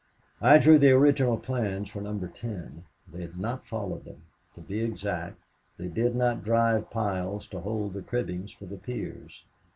"I drew the original plans for Number Ten. They had not followed them. To be exact, they did not drive piles to hold the cribbings for the piers.